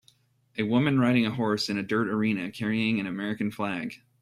A woman riding a horse in a dirt arena carrying an American flag